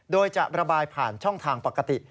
โดยจะระบายผ่านช่องทางปกติ